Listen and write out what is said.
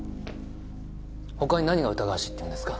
他に何が疑わしいって言うんですか？